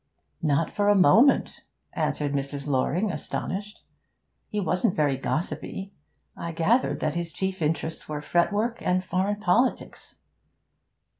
'Not for a moment,' answered Mrs. Loring, astonished. 'He wasn't very gossipy I gathered that his chief interests were fretwork and foreign politics.'